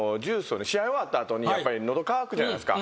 試合終わった後にやっぱり喉渇くじゃないですか。